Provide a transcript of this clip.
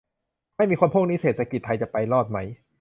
ไม่มีคนพวกนี้ เศรษฐกิจไทยจะไปรอดไหม ?